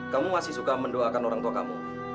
kamu masih suka mendoakan orang tua kamu